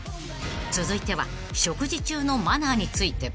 ［続いては食事中のマナーについて］